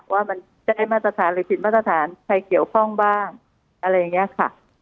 ว่ามันจะได้มาตรฐานหรือผิดมาตรฐานใครเกี่ยวข้องบ้างอะไรอย่างนี้ค่ะ